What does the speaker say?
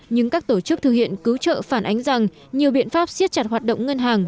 nhưng các tổ chức thực hiện cứu trợ phản ánh rằng nhiều biện pháp siết chặt hoạt động ngân hàng